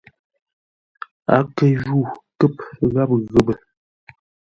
A kə ju kə̂p gháp ghəpə.